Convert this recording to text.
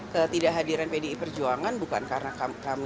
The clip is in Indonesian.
ketidakhadiran pdi perjuangan akan disahkan mahkamah konstitusi